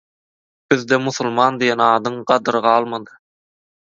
Bizde «musulman» diýen adyň gadyry galmady.